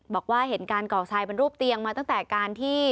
บอกว่าเห็นการก่อทรายเป็นรูปเตียงมาตั้งแต่การที่